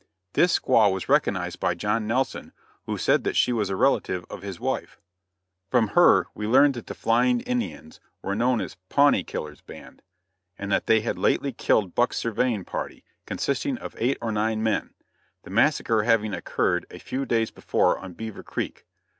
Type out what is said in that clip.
This squaw was recognized by John Nelson who said that she was a relative of his wife. From her we learned that the flying Indians were known as Pawnee, Killer's band, and that they had lately killed Buck's surveying party, consisting of eight or nine men; the massacre having occurred a few days before on Beaver Creek.